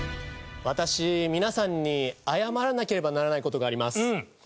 私皆さんに謝らなければならない事があります。